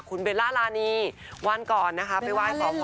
คุณเบลล่ารานีวันก่อนนะคะไปไหว้ขอพร